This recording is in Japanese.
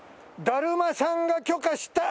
だるまさんが許可した！